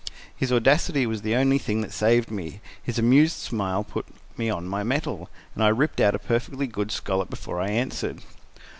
His audacity was the only thing that saved me: his amused smile put me on my mettle, and I ripped out a perfectly good scallop before I answered.